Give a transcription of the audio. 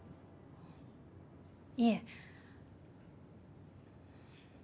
いえ。